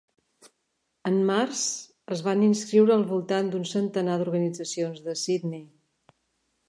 En març, es van inscriure al voltant d'un centenar d'organitzacions de Sidney.